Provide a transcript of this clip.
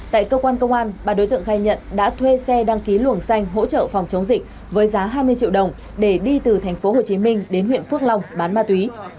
tại cơ quan công an ba đối tượng gai nhận đã thuê xe đăng ký luồng xanh hỗ trợ phòng chống dịch với giá hai mươi triệu đồng để đi từ thành phố hồ chí minh đến huyện phước long bán ma túy